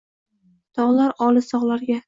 Tortar olis tog’larga.